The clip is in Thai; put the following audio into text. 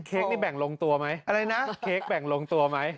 เค้กนี่แบ่งลงตัวไหมอะไรนะเค้กแบ่งลงตัวไหม